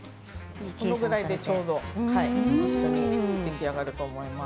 そのぐらいでちょうど一緒に出来上がると思います。